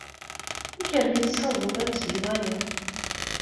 Amek armi ay tessawḍeḍ ad tgeḍ aya?